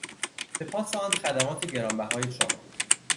به پاس آن خدمات گرانبهای شما